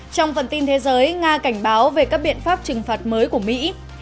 trong phần tin thế giới nga cảnh báo về các biện pháp trừng phạt mới của mỹ